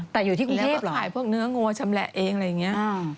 แต่อยู่ที่กรุงเทพขายพวกเนื้องัวชำแหละเองอะไรอย่างนี้